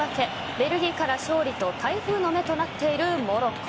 ベルギーから勝利と台風の目となっているモロッコ。